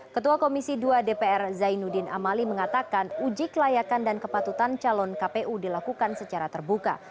ketua komisi dua dpr zainuddin amali mengatakan uji kelayakan dan kepatutan calon kpu dilakukan secara terbuka